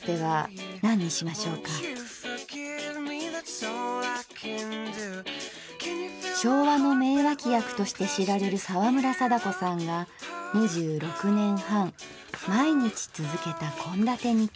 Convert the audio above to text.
さて。昭和の名脇役として知られる沢村貞子さんが２６年半毎日続けた献立日記。